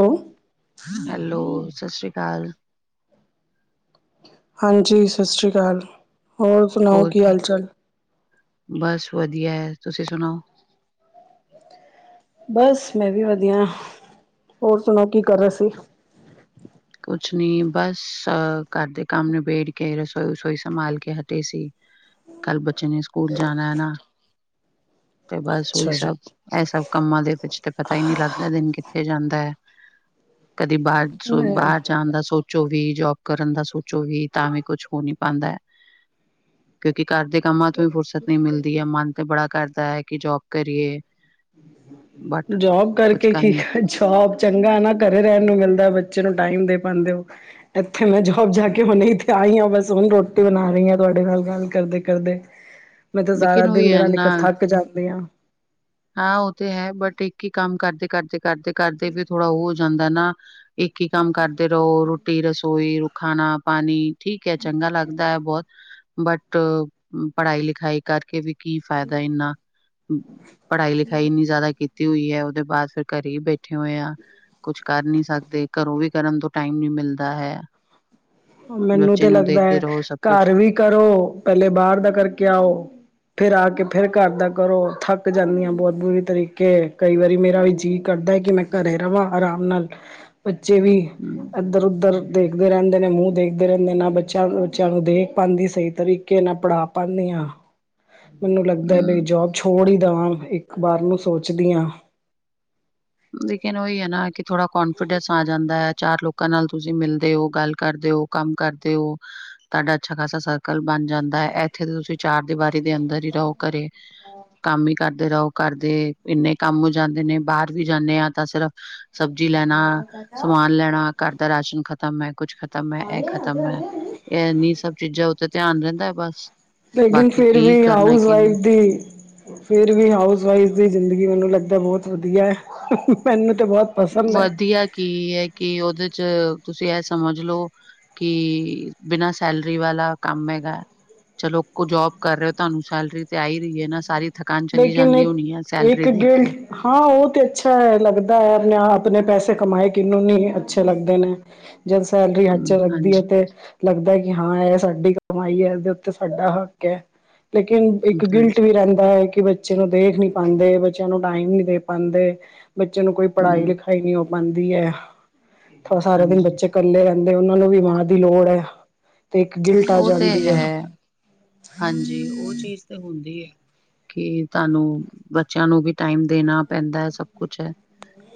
ਹੈਲ ਹੈਲੋ ਸਤਿ ਸ੍ਰੀ ਅਕਾਲ ਹਾਂਜੀ ਸਤਿ ਸ਼੍ਰੀ ਅਕਾਲ ਹੋਰ ਸੁਣਾਓ ਕੀ ਹਾਲ ਚਾਲ ਬਸ ਵਧੀਆ ਹੈ ਤੁਸੀਂ ਸਣਾਓ ਬਸ ਮੈਂ ਵੀ ਵਧੀਆ ਹੋਰ ਸੁਣਾਓ ਕੀ ਕਰ ਰਿਹਾ ਸੀ। ਕੁਛ ਨੀ ਬਸ ਅ ਘਰਦੇ ਕੰਮ ਨਿਬੇੜ ਕੇ ਰਸੋਈ ਰਸੋਈ ਸੰਭਾਲ ਕੇ ਹਟੇ ਸੀ। ਕੱਲ੍ਹ ਬੱਚਿਆ ਨੇ ਸਕੂਲ ਜਾਣਾ ਹੈ ਨਾ ਤੇ ਬਸ ਉਹੀ ਅੱਛਾ ਜੀ ਸਭ ਇਹ ਸਭ ਕੰਮਾਂ ਦੇ ਵਿੱਚ ਤੇ ਪਤਾ ਹੀ ਨਹੀਂ ਲੱਗਦਾ ਦਾ ਦਿਨ ਕਿੱਥੇ ਜਾਂਦਾ ਹੈ ਕਦੀ ਬਾਹਦ ਸੋ ਮੈਂ ਬਾਹਰ ਜਾਣ ਦਾ ਸੋਚੋ ਵੀ ਜੋਬ ਕਰਨ ਦਾ ਸੋਚੋ ਵੀ ਤਾਂ ਵੀ ਕੁਛ ਹੋ ਨੀ ਪਾਉਂਦਾ ਕਿਉਂਕਿ ਘਰ ਦੇ ਕੰਮਾਂ ਤੋਂ ਵੀ ਫ਼ੁਰਸਤ ਨਹੀਂ ਮਿਲਦੀ ਹੈ ਮਨ ਤੇ ਬੜਾ ਕਰਦਾ ਹੈ ਕਿ ਜੋਬ ਕਰੀਏ ਬਟ ਜੋਬ ਕੁਛ ਕਰਕੇ ਕਰ ਕੀ ਨੀ ਅੱਜ ਸੌਭ ਚੰਗਾ ਨਾ ਘਰੇ ਰਹਿਣ ਨੂੰ ਮਿਲਦਾ ਬੱਚੇ ਨੂੰ ਟਾਈਮ ਦੇ ਪਾਉਂਦੇ ਹੋ। ਇੱਥੇ ਮੈਂ ਜੋਬ ਜਾ ਕੇ ਹੁਣੇ ਤੇ ਆਈ ਹਾਂ ਬਸ ਹੁਣ ਰੋਟੀ ਬਣਾ ਰਹੀ ਹਾਂ ਤੁਹਾਡੇ ਨਾਲ ਗੱਲ ਕਰਦੇ ਕਰਦੇ [inaudible] ਮੈਂ ਤਾਂ ਸਾਰਾ ਦਿਨ ਉਹੀ ਹੈ ਮੇਰਾ ਨਿਕਲ ਨਾ ਥੱਕ ਜਾਦੇ ਆ ਹਾਂ ਉਹ ਤੇ ਹੈ ਬਟ ਇੱਕ ਹੀ ਕੰਮ ਕਰਦੇ ਕਰਦੇ ਕਰਦੇ ਕਰਦੇ ਵੀ ਥੋੜਾ ਉਹ ਹੋ ਜਾਂਦਾ ਨਾ ਇੱਕ ਹੀ ਕੰਮ ਕਰਦੇ ਰੋ ਰੋਟੀ ਰਸੋਈ ਖਾਣਾ ਪਾਣੀ ਠੀਕ ਹੈ ਚੰਗਾ ਲੱਗਦਾ ਹੈ ਬਹੁਤ ਬਟ ਪੜ੍ਹਾਈ ਲਿਖਾਈ ਕਰਕੇ ਵੀ ਕੀ ਫਾਇਦਾ ਇੰਨਾ ਪੜ੍ਹਾਈ ਲਿਖਾਈ ਇੰਨੀ ਜ਼ਿਆਦਾ ਕੀਤੀ। ਹੋਈ ਹੈ ਉਹਦੇ ਬਾਅਦ ਫਿਰ ਘਰੇ ਹੀ ਬੈਠੇ ਹੋਏ ਆ ਕੁਛ ਕਰ ਨੀ ਸਕਦੇ ਘਰੋਂ ਵੀ ਕਰਨ ਤੋਂ ਟਾਈਮ ਨੀ ਮਿਲਦਾ ਹੈ। ਮੈਨੂੰ ਬੱਚੇ ਤੇ ਨੂੰ ਲੱਗਦਾ ਦੇਖਦੇ ਹੈ ਰਹੋ ਸਭ ਕੁਛ ਘਰ ਵੀ ਕਰੋ ਪਹਿਲੇ ਬਾਹਰ ਦਾ ਕਰਕੇ ਆਓ। ਫੇਿਰ ਆ ਕੇ ਫੇਿਰ ਘਰ ਦਾ ਕਰੋ ਥੱਕ ਜਾਂਦੀਆਂ ਬਹੁਤ ਬੁਰੀ ਤਰੀਕੇ ਕਈ ਵਾਰੀ ਮੇਰਾ ਵੀ ਜੀਅ ਕਰਦਾ ਹੈ ਕਿ ਮੈਂ ਘਰੇ ਰਵਾਂ ਆਰਾਮ ਨਾਲ ਬੱਚੇ ਵੀ ਹਮ ਇੱਦਰ ਉੱਦਰ ਦੇਖਦੇ ਰੈਂਦੇ ਨੇ ਮੂੰਹ ਦੇਖਦੇ ਰਹਿੰਦੇ ਨਾ ਬੱਚਿਆਂ ਬੱਚਿਆਂ ਨੂੰ ਦੇਖ ਪਾਂਦੀ ਸਹੀ ਤਰੀਕੇ ਨਾਲ ਪੜ੍ਹਾ ਪਾਦੀਆਂ। ਮੈਨੂੰ ਲੱਗਦਾ ਹਮ ਬਈ ਜੋਬ ਛੋੜ ਹੀ ਦੇਵਾਂ ਇੱਕ ਵਾਰ ਨੂੰ ਸੋਚਦੀ ਹਾਂ। ਲੇਕਿਨ ਉਹੀ ਹੈ ਨਾ ਕਿ ਥੋੜਾ ਕੋਨਫੀਡੈਂਸ ਆ ਜਾਂਦਾ ਹੈ ਚਾਰ ਲੋਕਾਂ ਨਾਲ ਤੁਸੀਂ ਮਿਲਦੇ ਹੋ ਗੱਲ ਕਰਦੇ ਹੋ। ਕੰਮ ਕਰਦੇ ਓ। ਤੁਹਾਡਾ ਅੱਛਾ ਖਾਸਾ ਸਰਕਲ ਬਣ ਜਾਂਦਾ ਹੈ ਐਥੇ ਤੁਸੀਂ ਚਾਰ ਦੀਵਾਰੀ ਦੇ ਅੰਦਰ ਹੀ ਰਹੋ ਘਰੇ। ਕੰਮ ਹੀ ਕਰਦੇ ਰਹੋ ਘਰਦੇ ਇੰਨੇ ਕੰਮ ਹੋ ਜਾਂਦੇ ਨੇ ਬਾਹਰ ਵੀ ਜਾਂਦੇ ਹਾਂ ਤਾਂ ਸਿਰਫ ਸਬਜ਼ੀ ਲੈਣਾ ਸਮਾਨ ਲੈਣਾ। ਘਰ ਦਾ ਰਾਸ਼ਨ ਖਤਮ ਹੈ ਕੁੱਛ ਖਤਮ ਹੈ ਇਹ ਖਤਮ ਹੈ ਇਹਨੀ ਸਭ ਚੀਜ਼ਾਂ ਉੱਤੇ ਧਿਆਨ ਰਹਿੰਦਾ ਬਸ ਲੇਕਿਨ ਬਾਕੀ ਫੇਿਰ ਕੀ ਵੀ ਕਰਨਾ ਹਾਊਸ ਕੀ ਨਹੀਂ। ਵਾਈਫ ਦੀ ਫਿਰ ਵੀ ਹਾਊਸ ਵਾਈਫ ਦੀ ਜ਼ਿੰਦਗੀ ਮੈਨੂੰ ਲੱਗਦਾ ਬਹੁਤ ਵਧੀਆ ਹੈ ਮੈਨੂੰ ਤਾਂ ਬਹੁਤ ਪਸੰਦ ਹੈ ਵਧੀਆ ਕੀ ਹੈ ਕੀ ਉਹਦੇ ਚ ਤੁਸੀਂ ਇਹ ਸਮਝ ਲੋਓ ਕੀ ਬਿਨਾ ਸੈਲਰੀ ਵਾਲਾ ਕਮ ਹੈਗਾ। ਚਲੋ ਕੋਈ ਜੋਬ ਕਰ ਰਹੇ ਹੋ। ਤੁਹਾਨੂੰ ਸੈਲਰੀ ਤੇ ਆ ਹੀ ਰਹੀ ਹੈ। ਨਾ ਸਾਰੀ ਥਕਾਨ ਚਲੀ ਲੇਕਿਨ ਜਾਦੀ ਇੱਕ ਹੋਣੀ ਆ ਇੱਕ ਸੈਲਰੀ ਦੇਖ ਗਿਲਡ ਕੇ ਹਾਂ ਉਹ ਤੇ ਅਛਾ ਹੈ ਲੱਗਦਾ ਹੈ। ਨ ਆਪਣੇ ਪੈਸੇ ਕਮਾਏ ਕਿਨੂੰ ਨੀ ਅੱਛੇ ਲਗਦੇ ਨੇ ਜਦੋ ਸੈਲਰੀ ਹੱਥ 'ਚ ਹੂੰ ਲਗਦੀ ਹੈ ਹਾਂਜੀ ਤੇ ਲੱਗਦਾ ਕਿ ਹਾਂ ਇਹ ਸਾਡੀ ਕਮਾਈ ਹੈ। ਇਦੇ ਉਤੇ ਸਾਡਾ ਹੱਕ ਹੈ। ਲੇਕਿਨ ਹੂੰ ਇਕ ਗਿਲਟ ਹਾਂਜੀ ਵੀ ਰਹਿਦਾ ਹੈ। ਕਿ ਬੱਚੇ ਨੂੰ ਦੇਖ ਨੀ ਪਾਂਦੇ ਬੱਚਿਆਂ ਨੂੰ ਟਾਈਮ ਨਹੀਂ ਦੇ ਪਾਂਦੇ ਬੱਚੇ ਨੂੰ ਕੋਈ ਪੜ੍ਹਾਈ ਹੂੰ ਲਿਖਾਈ ਨੀ ਹੋ ਪਾਂਦੀ ਹੈ ਥੋੜਾ ਸਾਰਾ ਦਿਨ ਹਾਂਜੀ ਬੱਚੇ ਇਕੱਲੇ ਰੈੰਦੇ ਉਹਨਾ ਨੂੰ ਵੀ ਮਾਂ ਦੀ ਲੋੜ ਹੈ ਤੇ ਇੱਕ ਗਿਲਟ ਆ ਉਹ ਤੇ ਜਾਂਦੀ ਹੈ। ਹਾਂਜੀ ਉਹ ਚੀਜ਼ ਤਾਂ ਹੁੰਦੀ ਹੈ। ਕੀ ਤਾਨੂੰ ਬੱਚਿਆਂ ਨੂੰ ਵੀ ਟਾਈਮ ਦੇਣਾ ਪੈਂਦਾ ਹੈ ਸਭ ਕੁਛ ਹੈ।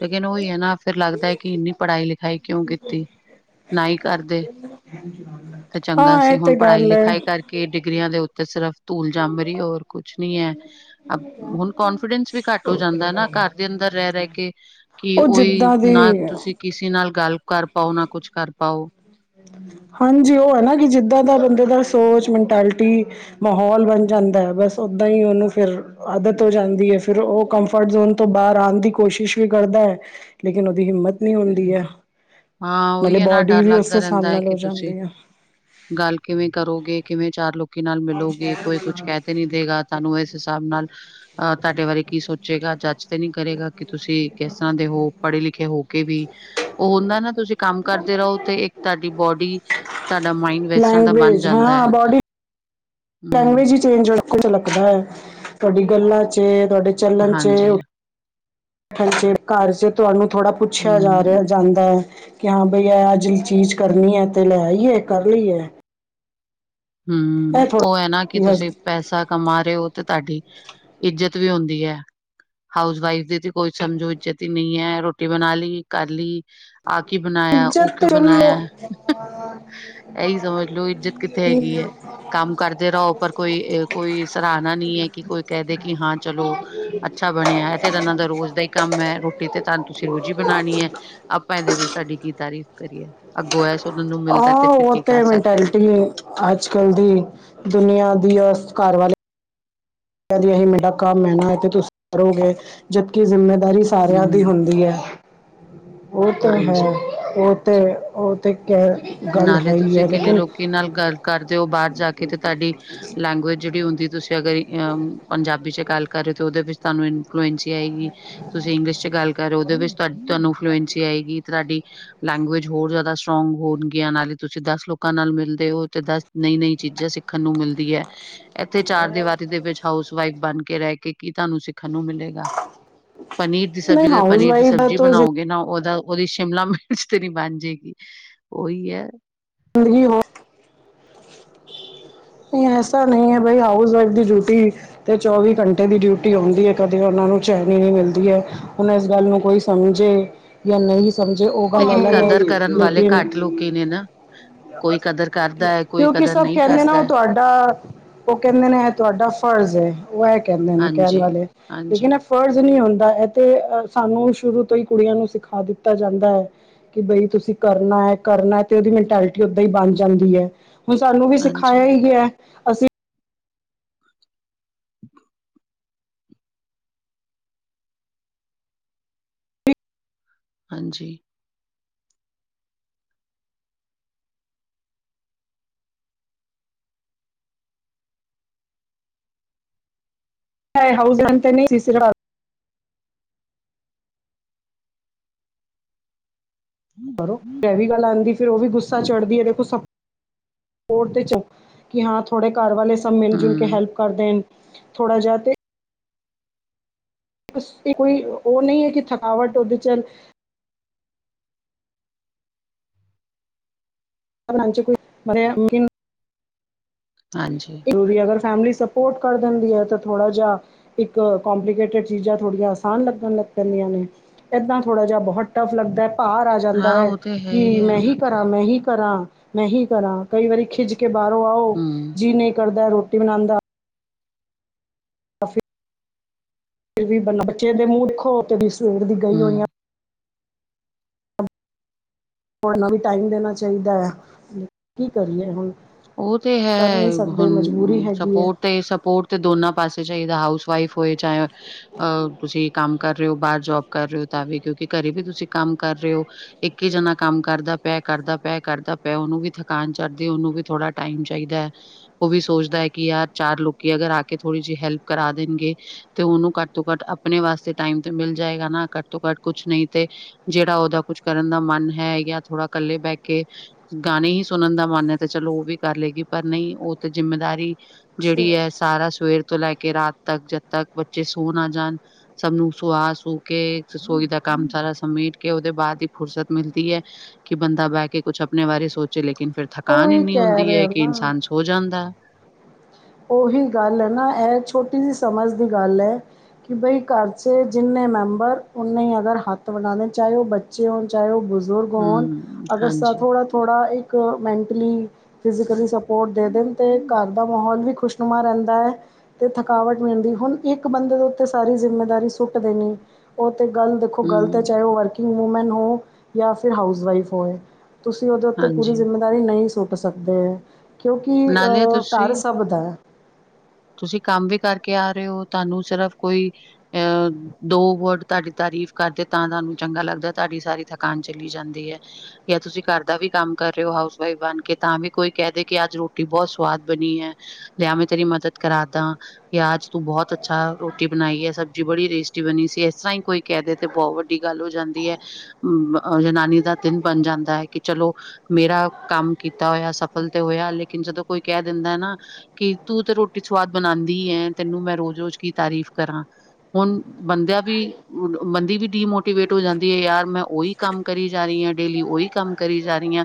ਲੇਕਿਨ ਉਹੀ ਹੈ ਨਾ ਫਿਰ ਲੱਗਦਾ ਕਿ ਇੰਨੀ ਪੜ੍ਹਾਈ ਲਿਖਾਈ ਕਿਉਂ ਕੀਤੀ ਨਾ ਹੀ ਕਰਦੇ [inaudible] ਤੇ ਚੰਗਾ ਸੀ ਇਹ ਤੇ ਹੁਣ ਪੜ੍ਹਾਈ ਗੱਲ ਹੈ ਲਿਖਾਈ ਕਰਕੇ ਕਿ ਡਿਗਰੀਆਂ ਦੇ ਉੱਤੇ ਸਿਰਫ਼ ਧੂਲ ਜੰ ਮ ਰਹੀ ਹੋਰ ਕੁਛ ਨੀ ਹੈ ਹੁਣ ਕੋਨਫੀਡੈਂਸ। ਵੀ ਘੱਟ ਹੋ ਜਾਂਦਾ ਨਾ ਘਰ ਦੇ ਅੰਦਰ ਰਹਿ ਰਹਿ ਕੇ ਕਿ ਉਹ ਉਹੀ ਜਿੱਦਾਂ ਦੀ ਨਾ ਤੁਸੀਂ ਕਿਸੇ ਨਾਲ ਗੱਲ ਕਰ ਪਾਓ ਨਾ ਕੁਛ ਕਰ ਪਾਓ ਹਾਂਜੀ ਉਹ ਹੈ ਨਾ ਕਿ ਜਿੱਦਾਂ ਦਾ ਬੰਦੇ ਦਾ ਸੋਚ ਮੈਂਟੈਲਿਟੀ ਮਾਹੌਲ ਬਣ ਜਾਂਦਾ ਹੈ ਬਸ ਓਦਾਂ ਹੀ ਉਨੂੰ ਫਿਰ ਆਦਤ ਹੋ ਜਾਂਦੀ ਹੈ ਫਿਰ ਉਹ ਕੰਫਰਟ ਜ਼ੋਨ ਤੋਂ ਬਾਹਰ ਆਣ ਦੀ ਕੋਸ਼ਿਸ਼ ਵੀ ਕਰਦਾ ਹੈ। ਲੇਕਿਨ ਉਹਦੀ ਹਿੰਮਤ ਨਹੀ ਹੁੰਦੀ ਹੈ। ਹਾਂ ਉਹੀ ਨਾਲੇ ਹੈ ਨਾ ਬੋਡੀ ਡਰ ਵੀ ਉਸੇ ਲੱਗਦਾ ਹਿਸਾਬ ਰੈੰਦਾ ਹੈ ਨਾਲ ਹੋ ਕਿ ਤੁਸੀ ਜਾਂਦੀ ਹੈ ਗੱਲ ਕਿਵੇ ਕਰੋਗੇ ਕਿਵੇ ਚਾਰ ਲੋਕ ਨਾਲ ਮਿਲੋਗੇ ਕੋਈ ਕੁਛ ਕਹਿ ਤੇ ਨੀ ਦੇਗਾ ਤਾਨੂੰ ਇਸ ਹਿਸਾਬ ਨਾਲ- ਅ ਤਾਡੇ ਬਾਰੇ ਕੀ ਸੋਚੇਗਾ ਜੱਜ ਤੇ ਨਹੀ ਕਰੇਗਾ ਕਿ ਤੁਸੀ ਕਿਸ ਤਰ੍ਹਾਂ ਦੇ ਹੋ ਪੜ੍ਹੇ ਲਿਖੇ ਹੋ। ਕੇ ਵੀ ਉਹ ਉਹਨਾ ਤੁਸੀ ਕਮ ਕਰਦੇ ਰਹੋ ਤੇ ਇਕ ਤੁਹਾਡੀ ਬੋਡੀ ਤੇ ਤੁਹਾਡਾ ਮਾਇੰਡ ਵੈਸਾਂ ਹੀ ਬਣ ਲੈਂਗੁਏਜ ਜਾਦਾ ਹੈ। ਹਮ ਲੈਂਗੂਏਜ ਹੀ ਚੇਂਜ ਲਕਦਾ ਹ ਤੁਹਾਡੀ ਗੱਲਾ 'ਚ ਤੁਹਾਡੇ ਚਲਣ 'ਚ ਹਾਂਜੀ ਹਾਂਜੀ ਘਰ 'ਚ ਤੁਹਾਨੂੰ ਥੋੜਾ ਪੁੱਛਿਆ ਜਾ ਹਮ ਰਿਹਾ ਜਾਂਦੈ ਕਿਓਂ ਬਈ ਐ ਆਜ ਏਚੀਜ਼ ਕਰਨੀ ਐ ਤੇ ਲੈਆਈਏ ਕਰ ਲਈਏ ਇਹ ਹੂੰ ਉਹ ਐ ਨਾ ਥੋੜਾ ਕਿ ਹਸ ਤੁਸੀ ਪੈਸਾ ਕਮਾ ਰਏ ਓ ਤੇ ਧਾਡੀ, ਇੱਜਤ ਵੀ ਔਦੀ ਐ। ਹਾਊਸ ਵਾਈਫ ਦੀ ਕੋਈ ਸਮਝੋ ਇੱਜਤ ਈ ਨੀ ਐ ਰੋਟੀ ਬਣਾ ਲੀ, ਕਰ ਲੀ ਆ ਕੀ ਬਣਾਇਆ ਓ ਇੱਜ਼ਤ ਤੇ ਕਿਉਂ ਚਲੋ ਬਣਾਇਆ, ਹੂੰ, ਏਈ ਸਮਝ ਲੋੋ ਇਜਤ [unintelligible] ਕਾਮ ਕਰਦੇ ਰਓ ਪਰ ਕੋਈ- ਕੋਈ ਸਰਾਹਨਾ ਨਈ ਐ ਕਿ ਕੋਈ ਕੈਹ ਦੇ ਕਿ ਹਾਂ ਚਲੋ ਅੱਛਾ ਬਣਿਆ ਐ ਤੇ ਏਨਾ ਦਾ ਰੋਜ਼ ਦਾ ਏ ਕੰਮ ਐ ਰੋਟੀ ਤੇ ਧਾ ਤੁਸੀ ਰੋਜ਼ ਈ ਬਣਾਣੀ ਐ ਆਪਾ ਏਦੇ ਵਿਚ ਤੁਆਡੀ ਕੀ ਤਾਰੀਫ਼ ਕਰੀਏ, ਅਗੋ ਐ ਸੁਣਨ ਨੂੰ ਮਿਲਦੈ ਤੇ ਫਿਰ ਕੀ ਕੈ ਸਕਦੇ ਅਜ ਕਲ ਦੀ, ਦੁਨੀਆਂ ਦੀ ਔ ਘਾਰਵਾਲੇ ਹੈਂਜੀ ਏਹੀ ਮੇਰਾ ਕਮ ਐ ਨਾ ਇਹ ਤੇ ਤੁਸੀ, ਕਰੋਗੇ, ਜਦਕੀ ਜ਼ਿੰਮੇਦਾਰੀ ਸਾਰਿਆਂ ਦੀ ਹਮ ਹੁੰਦੀ ਐ, ਓ ਤੇ ਹੈ ਹਾਂਜੀ। ਓ ਤੇ ਓ ਤੇ ਕੈਹ ਨਾਲੇ ਤੁਸੀ ਕਿਨੇ ਲੋਕੀ ਨਾਲ ਗੱਲ ਕਰਦੇ ਹੋ ਬਾਹਰ ਜਾ ਕੇ ਤੇ ਤਾਡੀ ਲੈਂਗੁਏਜ ਜਿਹੜੀ ਹੁੰਦੀ ਤੁਸੀ ਅਗਰ ਅਮ ਪੰਜਾਬੀ 'ਚ ਗੱਲ ਕਰਹੇ ਹੋ ਤਾਂ ਉਹਦੇ ਵਿਚ ਤੁਹਾਨੂੰ ਇਨਫਲੂਐਂਸੀ ਆਏਗੀ। ਤੁਸੀਂ ਇੰਗਲਿਸ਼ 'ਚ ਗੱਲ ਕਰ ਰਓ ਓਦੇ ਵਿਚ ਤਦ ਧਾਨੂੰ ਫਲੂਐਂਸੀ ਆਏਗੀ ਧਾਡੀ ਲੈਂਗੁਏਜ ਹੋਰ ਜ਼ਿਆਦਾ ਸਟਰੋਗ ਹੋਣ ਯਾਨਾਲੇ ਤੁਸੀ ਦਸ ਲੋਕਾ ਨਾਲ ਮਿਲਦੇ ਓ ਤੇ ਦਸ ਨਈ- ਨਈ ਚੀਜ਼ਾਂ ਸਿੱਖਣ ਨੂੰ ਮਿਲਦੀ ਐ ਏਥੇ ਚਾਰ ਦੀਵਾਰੇ ਦੇ ਵਿਚ ਹਾਊਸ ਵਾਈਫ ਬਣ ਕੇ ਰਹਿ ਕੇ ਕੀ ਤੁਹਾਨੂੰ ਸਿੱਖਣ ਨੂੰ ਮਿਲੇ ਪਨੀਰ ਦੀ ਨਹੀਂ ਸਬਜ਼ੀ ਜਦੋਂ ਹਾਊਸ ਪਨੀਰ ਦੀ ਵਾਈਫ ਦਾ ਸਬਜ਼ੀ ਤਾਂ ਬਣਾਓਗੇ ਨਾ ਓਦਾ ਓਦੀ ਸ਼ਿਮਲਾ ਮਿਰਚ ਤੇ ਨੀ ਬਣ ਜੇਗੀ, ਓਹੀ ਐ [unintelligible] ਨਈ ਐਸਾ ਨਈ ਐ ਬਈ ਹਾਊਸ ਵਾਈਫ ਦੀ ਡਿਊਟੀ ਤੇ ਚੌਵੀ ਘੰਟੇ ਦੀ ਡਿਊਟੀ ਹੁੰਦੀ ਐ ਕਦੇ ਓਨਾ ਨੂੰ ਚੈਨ ਈ ਨੀ ਮਿਲਦੀ ਐ, ਈ ਹੁਨ ਇਸ ਗੱਲ ਨੂੰ ਕੋਈ ਸਮਝੇ, ਜਾਂ ਨਈ ਸਮਝੇ ਓ ਕਮ ਲੇਕਿਨ ਓਨਾ ਨੂੰ ਕਦਰ ਕਰਨ ਵਾਲੇ ਲੇਕਿਨ ਘੱਟ ਲੋਕ ਹੀ ਨੇ ਨਾ ਕੋਈ ਕਦਰ ਕਰਦਾ ਹੈ ਕੋਈ ਕਿਉਂਕਿ ਕਦਰ ਸਭ ਨਹੀਂ ਕੈਂਦੇ ਨਾ ਕਰਦਾ ਓ ਹੈ ਤੁਆਡਾ ਉਹ ਕੈਂਦੇ ਨੇ ਏ ਤੁਆਡਾ ਫਰਜ਼ ਐ ਓ ਐ ਕੈਂਦੇ ਨੇ ਕੈਣ ਹਾਂਜੀ ਵਾਲੇ ਹਾਂਜੀ ਲੇਕਿਨ ਫਰਜ਼ ਨੀ ਹੁੰਦਾ ਐ ਤੇ ਸਾਨੂੰ ਸ਼ੁਰੂ ਤੋ ਹੀ ਕੁੜੀਆਂ ਨੂੰ ਸਿਖਾ ਦਿੱਤਾ ਜਾਦਾ ਐ ਕਿ ਬਈ ਤੁਸੀ ਕਰਨਾ ਐ-ਕਰਨਾ ਐ ਤੇ ਓਦੀ ਮੈਂਟੈਲਿਟੀ ਓਦਾ ਈ ਬਣ ਜਾਦੀ ਐ। ਹੁਣ ਸਾਨੂੰ ਵੀ ਸਿਖਾਇਆ ਹਾਂਜੀ ਈ ਗੇਐ। [inaudible] ਹਾਂਜੀ। [unintelligible] ਕਰੋ ਐ ਵੀ ਗੱਲ ਆਦੀ-ਆਦੀ ਫਿਰ ਓ ਵੀ ਗੁੱਸਾ ਚੜਦੀ ਐ ਦੇਖੋ ਸਾ, ਹੋਰ ਤੇ ਚ, ਕੀ ਹਾਂ ਥੋੜੇ ਘਰ ਵਾਲੇ ਸਭ ਮਿਲ ਜੁਲ ਕੇ ਹਮ ਹੈਲਪ ਕਰ ਦੇਨ, ਥੋੜਾ ਜੇਆ ਤੇ ਕੋਈ ਓ ਨਈ ਆ ਕਿ ਥਕਾਵਟ ਓਦੇ ਚ [unintelligible] ਹਾਂਜੀ। ਜਰੂਰੀ ਅਗਰ ਫੈਮਿਲੀ ਸਪੋਰਟ ਕਰ ਦੇਂਦੀ ਆ ਤਾਂ ਥੋੜਾ ਜੇਆ ਇੱਕ ਕੰਪਲੀਕੇਟਿਡ ਚੀਜ਼ਾਂ ਥੋੜੀਆਂ ਆਸਾਨ ਲੱਗਣ ਲੱਗ ਪੈਂਦੀਆਂ ਨੇ ਏਦਾਂ ਥੋੜਾ ਜੇਆ ਬਹੁਤ ਟੱਫ ਲੱਗਦੈ ਭਾਰ ਆ ਹਾਂ ਜਾਂਦੈ ਉਹ ਤੇ ਹੈ ਕੀ ਹੈ ਮੈਂ ਹੀ ਕਰਾਂ ਮੈਂ ਹੀ ਕਰਾਂ, ਮੈਂ ਹੀ ਕਰਾਂ ਕਈ ਵਾਰੀ ਖਿਝ ਕੇ ਬਾਰੋਂ ਆਓਂ ਹਮ ਈ ਨਈ ਕਰਦੈ ਰੋਟੀ ਬਣਾਣ ਦਾ। ਤਾ ਫ, ਫਿਰ ਵੀ ਬਾਚੇ ਦੇ ਮੂੰਹ ਦੇਖੋ ਉ ਵੀ ਸਵੇਰ ਦੀ ਗਈ ਹਮ ਹੋਈਆਂ। ਹੋਰਨਾ ਵੀ ਟਾਈਮ ਦੇਣਾ ਚਾਹੀਦਾ ਐ, ਕੀ ਕਰੀਏ ਹੁਣ? ਓ ਤੇ ਕਰ ਹੈ ਨਹੀਂ ਸਕਦੇ ਹੁਣ ਮਜਬੂਰੀ ਹੈਗੀ ਹੈ ਸਪੋਟ ਤੇ ਸਪੋਟ ਤੇ ਦੋਨਾਂ ਪਾਸੇ ਚਾਹੀਦਾ ਹਾਊਸ ਵਾਈਫ ਹੋਏ ਚਾਹੇ। ਅਹ ਤੁਸੀਂ ਕੰਮ ਕਰ ਰਹੇ ਹੋ। ਬਾਹਰ ਜੋਬ ਕਰ ਰਹੇ ਹੋ ਤਾਂ ਵੀ ਕਿਉਂਕਿ ਘਰੇ ਵੀ ਤੁਸੀਂ ਕੰਮ ਕਰ ਰਹੇ ਹੋ। ਇੱਕ ਹੀ ਜਣਾ ਕੰਮ ਕਰਦਾ ਪਿਆ ਕਰਦਾ ਪਿਆ ਕਰਦਾ, ਪਿਆ ਉਹਨੂੰ ਵੀ ਥਕਾਨ ਚੜ੍ਹਦੀ ਉਹਨੂੰ ਵੀ। ਥੋੜ੍ਹਾ ਟਾਈਮ ਚਾਹੀਦਾ ਹੈ। ਉਹ ਵੀ ਸੋਚਦਾ ਹੈ, ਕਿ ਯਾਰ ਚਾਰ ਲੋਕੀ ਅਗਰ ਆ ਕੇ ਥੋੜ੍ਹੀ ਜਿਹੀ ਹੈਲਪ ਕਰਾ ਦੇਣਗੇ। ਤੇ ਉਹਨੂੰ ਘੱਟ ਤੋਂ ਘੱਟ ਆਪਣੇ ਵਾਸਤੇ ਟਾਈਮ ਤੇ ਮਿਲ ਜਾਏਗਾ ਨਾ ਘੱਟ ਤੋਂ ਘੱਟ ਕੁਛ ਨਹੀਂ ਤੇ। ਜਿਹੜਾ ਉਹਦਾ ਕੁੱਛ ਕਰਨ ਦਾ ਮਨ ਹੈ, ਜਾਂ ਥੋੜਾ ਇਕੱਲੇ ਬਹਿ ਕੇ। ਗਾਣੇ ਹੀ ਸੁਣਨ ਦਾ ਮਨ ਹੈ ਤੇ ਚਲੋ, ਉਹ ਵੀ ਕਰ ਲਏਗੀ। ਪਰ ਨਹੀਂ ਉਹ ਤੇ ਜਿੰਮੇਦਾਰੀ, ਜਿਹੜੀ ਇਹ ਸਾਰਾ ਸਵੇਰ ਤੋਂ ਲੈ ਕੇ ਰਾਤ ਤੱਕ ਜਦ ਤੱਕ ਬੱਚੇ ਸੋ ਨਾ ਜਾਣ। ਸਭ ਨੂੰ ਸੁਆ ਸੂਉ ਕੇ ਰਸੋਈ ਦਾ ਕੰਮ ਸਾਰਾ ਸਮੇਟ ਕੇ ਉਹਦੇ ਬਾਅਦ ਹੀ ਫੁਰਸਤ ਮਿਲਦੀ ਹੈ। ਕਿ ਬੰਦਾ ਬੈ ਕੇ ਕੁਛ ਆਪਣੇ ਬਾਰੇ ਸੋਚੇ ਲੇਕਿਨ, ਫਿਰ ਥਕਾਨ ਉਹੀ ਏਨੀ ਕਹਿ ਹੁੰਦੀ ਰਹੇ ਐ ਆ ਕਿ ਨਾ ਇਨਸਾਨ ਸੋ ਜਾਂਦੈ। ਉਹੀ ਗੱਲ ਹੈ, ਨਾ ਇਹ ਛੋਟੀ ਜਿਹੀ ਸਮਝ ਦੀ ਗੱਲ ਹੈ। ਕਿ ਭਾਈ ਘਰ 'ਚ ਜਿੰਨੇ ਮੈਂਬਰ ਉਨੇ ਹੀ ਹੱਥ ਵੰਡਾ ਦੇਣ। ਚਾਹੇ ਉਹ ਬੱਚੇ ਹੋਣ ਚਾਹੇ ਉਹ ਬਜ਼ੁਰਗ ਹੋਣ ਹਮ ਅਗਰ ਸਬ ਹਾਂਜੀ ਥੋੜ੍ਹਾ। ਥੋੜ੍ਹਾ ਇੱਕ ਮੈਂਟਲੀ ਫਿਜ਼ਕਲੀ ਸਪੋਰਟ ਦੇ ਦੇਣ ਅਤੇ ਘਰ ਦਾ ਮਾਹੌਲ ਵੀ। ਖੁਸ਼ਨੁਮਾ ਰਹਿੰਦਾ ਹੈ। ਤੇ ਥਕਾਵਟ ਮਿਲਦੀ ਹੁਣ ਇੱਕ ਬੰਦੇ ਦੇ ਉੱਤੇ ਸਾਰੀ ਜਿੰਮੇਦਾਰੀ ਸੁੱਟ ਦੇਣੀ। ਉਹ ਤੇ ਗਲ ਉਹ ਗਲਤ ਹੈ, ਹਮ ਚਾਹੇ ਉਹ ਵਰਕਿੰਗ ਵੂਮੈਨ ਹੋ ਜਾਂ ਫਿਰ ਹਾਊਸ ਵਈਫ ਹੋਵੇ। ਤੁਸੀਂ ਉਹਦੇ ਉੱਤੇ ਪੂਰੀ ਹਾਂਜੀ ਜ਼ਿੰਮੇਦਾਰੀ ਨਹੀਂ ਸੁੱਟ ਸਕਦੇ ਹੈ। ਕਿਉਂਕਿ ਨਾਲੇ ਅ ਘਰ ਤੁਸੀਂ ਸਭ ਦਾ ਹੈ। ਤੁਸੀਂ ਕੰਮ ਵੀ ਕਰਕੇ ਆ ਰਹੇ ਹੋ, ਤੁਹਾਨੂੰ ਸਿਰਫ ਕੋਈ ਅਹ। ਦੋ ਵਰਡ ਤੁਹਾਡੀ ਤਾਰੀਫ਼ ਕਰਦੇ ਤਾਂ ਤੁਹਾਨੂੰ ਚੰਗਾ ਲੱਗਦਾ, ਤੁਹਾਡੀ ਸਾਰੀ ਥਕਾਨ ਚਲੀ ਜਾਂਦੀ ਹੈ। ਜਾਂ ਤੁਸੀਂ ਘਰ ਦਾ ਵੀ ਕੰਮ ਕਰ ਰਹੇ ਹੋ, ਹਾਊਸ ਵਈਫ ਬਣ ਕੇ ਤਾਂ ਵੀ ਕੋਈ ਕਹਿ ਦੇ ਕਿ, ਅੱਜ ਰੋਟੀ ਬਹੁਤ ਸਵਾਦ ਬਣੀ ਹੈ। ਲਿਆ ਮੈਂ ਤੇਰੀ ਮਦਦ ਕਰਾ ਦਾ। ਕਿ ਆਜ ਤੂੰ ਬਹੁਤ ਅੱਛਾ ਰੋਟੀ ਬਣਾਈ ਹੈ, ਸਬਜ਼ੀ ਬੜੀ ਟੇਸਟੀ ਬਣੀ ਸੀ। ਇਸ ਤਰ੍ਹਾਂ ਹੀ ਕੋਈ ਕਹਿਦੇ ਤੇ ਬਹੁਤ ਵੱਡੀ ਗੱਲ ਹੋ ਜਾਂਦੀ ਹੈ, ਜਨਾਨੀ ਦਾ ਦਿਨ ਬਣ ਜਾਂਦਾ ਹੈ। ਕਿ ਚਲੋ, ਮੇਰਾ ਕੰਮ ਕੀਤਾ ਹੋਇਆ ਸਫਲ ਤੇ ਹੋਇਆ ਲੇਕਿਨ ਜਦੋਂ ਕੋਈ ਕਹਿ ਦਿੰਦਾ ਹੈ ਨਾ। ਕਿ ਤੂੰ ਤੇ ਰੋਟੀ ਸਵਾਦ ਬਣਾਉਂਦੀ ਹੈ ਤੈਨੂੰ ਮੈਂ ਰੋਜ਼ ਰੋਜ਼ ਕੀ ਤਾਰੀਫ਼ ਕਰਾਂ। ਹੁਣ ਬੰਦਿਆਂ ਵੀ ਬੰਦੀ ਵੀ ਡੀਮੋਟੀਵੇਟ ਹੋ ਜਾਂਦੀ ਹੈ ਯਾਰ ਮੈਂ ਉਹੀ। ਕੰਮ ਕਰੀ ਜਾ ਰਹੀ ਹਾਂ। ਡੇਲੀ ਉਹੀ ਕੰਮ ਕਰੀ ਜਾ ਰਹੀ ਹਾਂ।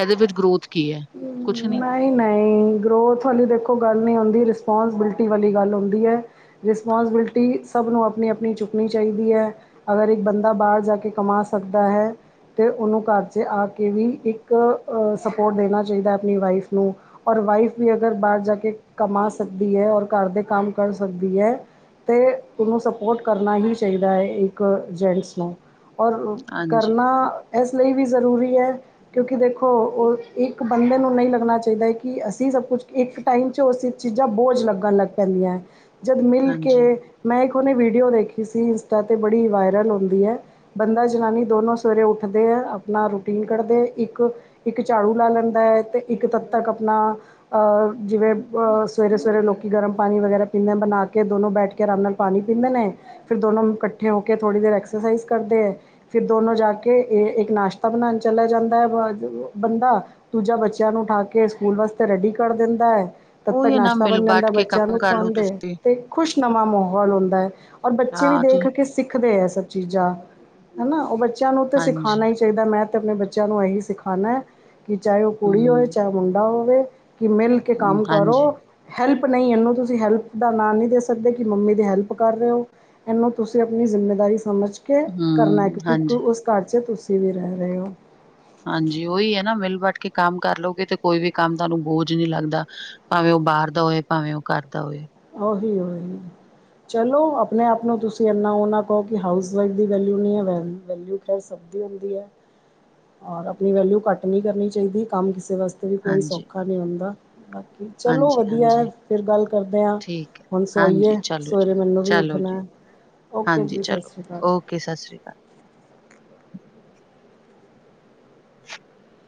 ਇਹਦੇ ਵਿੱਚ ਗਰੋਥ ਕੀ ਹੈ ਕੁਛ ਨਹੀ। ਨਹੀਂ, ਨਹੀਂ। ਨਹੀਂ ਗਰੋਥ ਵਾਲੀ ਦੇਖੋ, ਗੱਲ ਨਹੀਂ ਹੁੰਦੀ ਰਿਸਪੋਂਸਿਬਿਲਟੀ ਵਾਲੀ ਗੱਲ ਹੁੰਦੀ ਹੈ। ਰਿਸਪੋਂਸੀਬਿਲਟੀ ਸਭ ਨੂੰ ਆਪਣੀ ਆਪਣੀ ਚੁੱਕਣੀ ਚਾਹੀਦੀ ਹੈ। ਅਗਰ ਇੱਕ ਬੰਦਾ ਬਾਹਰ ਜਾ ਕੇ ਕਮਾ ਸਕਦਾ ਹੈ। ਅਤੇ ਉਹਨੂੰ ਘਰ 'ਚ ਆ ਕੇ ਵੀ ਇੱਕ ਸਪੋਰਟ ਦੇਣਾ ਚਾਹੀਦਾ, ਆਪਣੀ ਵਾਈਫ ਨੂੰ। ਔਰ ਵਾਈਫ ਵੀ ਅਗਰ ਬਾਹਰ ਜਾ ਕੇ ਕਮਾ ਸਕਦੀ ਹੈ, ਔਰ ਘਰ ਦੇ ਕੰਮ ਕਰ ਸਕਦੀ ਹੈ। ਅਤੇ ਉਹਨੂੰ ਸਪੋਰਟ ਕਰਨਾ ਹੀ ਚਾਹੀਦਾ ਹੈ, ਇੱਕ ਜੈਂਟਸ ਨੂੰ। ਔਰ ਹਾਂਜੀ, ਕਰਨਾ। ਇਸ ਲਈ ਵੀ ਜ਼ਰੂਰੀ ਹੈ, ਕਿਉਂਕਿ ਦੇਖੋ ਉਹ ਇੱਕ ਬੰਦੇ ਨੂੰ ਨਹੀਂ ਲੱਗਣਾ ਚਾਹੀਦਾ। ਕਿ ਅਸੀਂ ਸਭ ਕੁਛ ਇੱਕ ਟਾਈਮ 'ਚ ਉਹ ਸਬ ਚੀਜ਼ਾਂ ਬੋਝ ਲੱਗਣ ਲੱਗ ਪੈਂਦੀਆਂ ਹੈ। ਜਦ ਮਿਲ ਕੇ ਹਾਂਜੀ। ਮੈਂ ਇੱਕ ਉਹ ਦੀ ਵੀਡੀਓ ਦੇਖੀ ਸੀ ਇੰਸਟਾ 'ਤੇ ਬੜੀ ਵਾਇਰਲ ਹੁੰਦੀ ਹੈ। ਬੰਦਾ ਜਨਾਨੀ ਦੋਨੋਂ ਸਵੇਰੇ ਉੱਠਦੇ ਹੈ ਆਪਣਾ ਰੂਟੀਨ ਕੱਢਦੇ। ਇੱਕ ਇੱਕ ਝਾੜੂ ਲਾ ਲੈਂਦਾ ਹੈ ਤੇ ਇੱਕ ਤਦ ਤੱਕ ਆਪਣਾ ਜਿਵੇਂ ਸਵੇਰੇ ਸਵੇਰੇ ਲੋਕ ਗਰਮ ਪਾਣੀ ਵਗੈਰਾ ਪੀਂਦੇ ਬਣਾ ਕੇ ਦੋਨੋਂ ਬੈਠ ਕੇ ਆਰਾਮ ਨਾਲ। ਪਾਣੀ ਪੀਂਦੇ ਨੇ ਫਿਰ ਦੋਨੋਂ ਇਕੱਠੇ ਹੋ ਕੇ ਥੋੜ੍ਹੀ ਦੇਰ ਐਕਸਰਸਾਈਜ਼ ਕਰਦੇ ਹੈ। ਫਿਰ ਦੋਨੋਂ ਜਾ ਕੇ ਇੱਕ ਨਾਸ਼ਤਾ ਬਣਾਉਣ ਚਲਿਆ ਜਾਂਦਾ ਹੈ। ਬੰਦਾ ਦੂਜਾ ਬੱਚਿਆਂ ਨੂੰ ਉਠਾ ਕੇ ਸਕੂਲ ਵਾਸਤੇ ਰੈਡੀ ਕਰ ਦਿੰਦਾ ਹੈ। ਤਦ ਤੱਕ ਉਹੀ ਐ ਨਾ ਨਾਸ਼ਤਾ ਮਿਲ ਬਣ ਜਾਂਦਾ ਬਾਟ ਕੇ ਬੱਚਿਆਂ ਕੰਮ ਨੂੰ ਕਰਲੋ ਖਵਾਉਂਦੇ ਤੁਸੀਂ ਅਤੇ ਖੁਸ਼ ਨਮਾਂ ਮਾਹੌਲ ਹੁੰਦਾ ਹੈ। ਔਰ ਬੱਚੇ ਵੀ ਹਾਂ ਤੂੰ ਦੇਖ ਕੇ ਸਿੱਖਦੇ ਹੈ ਸਭ ਚੀਜ਼ਾਂ ਹਨਾ ਉਹ ਬੱਚਿਆਂ ਨੂੰ ਤਾਂ ਸਿਖਾਣਾ ਹਾਂਜੀ। ਹੀ। ਚਾਹੀਦਾ ਮੈਂ ਤਾਂ ਆਪਣੇ ਬੱਚਿਆਂ ਨੂੰ ਇਹੀ ਸਿਖਾਉਂਦਾ ਕਿ ਚਾਹੇ ਉਹ ਕੁੜੀ ਹੋਵੇ ਹੂੰ, ਚਾਹੇ ਉਹ। ਮੁੰਡਾ ਹੋਵੇ ਕਿ ਮਿਲ ਕੇ ਹੂੰ, ਕੰਮ ਕਰੋ। ਹਾਂਜੀ, ਹੈਲਪ ਨਹੀਂ ਇਹਨੂੰ ਤੁਸੀਂ ਹੈਲਪ ਦਾ ਨਾਂ ਨਹੀਂ ਦੇ ਸਕਦੇ। ਕਿ ਮੰਮੀ ਦੀ ਹੈਲਪ ਕਰ ਰਹੇ ਹੋ। ਇਹਨੂੰ ਤੁਸੀਂ ਆਪਣੀ ਜਿੰਮੇਵਾਰੀ, ਸਮਝ ਕੇ ਕਰਨਾ ਹੈ। ਹੂੰ, ਕਿਉਂਕਿ ਹਾਂਜੀ। ਉਸ ਘਰ ਚ ਤੁਸੀਂ ਵੀ ਰਹਿ ਰਹੇ ਹੋ। ਹਾਂਜੀ, ਉਹੀ ਹੈ ਨਾ ਮਿਲ ਬੱਟ ਕੇ ਕੰਮ ਕਰ ਲਉਗੇ ਤੇ ਕੋਈ ਵੀ ਕੰਮ ਤੁਹਾਨੂੰ ਬੋਝ ਨਹੀਂ ਲੱਗਦਾ। ਭਾਵੇਂ ਉਹ ਬਾਹਰ ਦਾ ਹੋਏ, ਭਾਵੇਂ ਉਹ ਘਰਦਾ ਹੋਵੇ। ਉ ਓਹੀ ਓਹੀ ਚਲੋ ਆਪਣੇ ਆਪ ਨੂੰ ਤੁਸੀਂ ਇੰਨਾ ਉਹ ਨਾ ਕਹੋ ਕਿ ਹਾਊਸ ਵਾਈਫ ਦੀ ਵੈਲਿਊ ਨਹੀਂ ਹੈ ਵੈ ਵੈਲਿਊ। ਸਭ ਹੁੰਦੀ ਹੈ ਔਰ ਆਪਣੀ ਵੈਲਿਊ ਘੱਟ ਨਹੀਂ ਕਰਨੀ ਚਾਹੀਦੀ। ਕੰਮ ਕਿਸੇ ਵਾਸਤੇ ਵੀ ਕੋਈ ਹਾਂਜੀ। ਸੌਖਾ ਨਹੀਂ ਹੁੰਦਾ ਬਾਕੀ ਚਲੋ ਹਾਂਜੀ, ਵਧੀਆ ਹੈ, ਹਾਂਜੀ ਫਿਰ ਗੱਲ ਕਰਦੇ ਹਾਂ। ਠੀਕ ਹੈ, ਹੁਣ ਸੋਈਏ ਹਾਂਜੀ ਚਲੋ ਸਵੇਰੇ ਜੀ, ਮੈਨੂੰ ਵੀ ਚਲੋ ਜੀ ਉੱਠਣਾ ਹੈ। ਓਕੇ ਹਾਂਜੀ ਜੀ ਸਤਿ ਚਲੋ, ਸ਼੍ਰੀ ਅਕਾਲ ਓਕੇ ਸਤਿ ਸ੍ਰੀ ਅਕਾਲ। [inaudible]